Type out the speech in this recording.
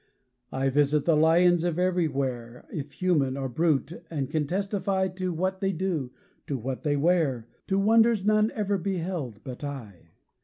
I visit the lions of every where, If human, or brute, and can testify To what they do, to what they wear, To wonders none ever beheld but I!